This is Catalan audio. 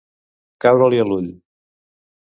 Caure-li a l'ull.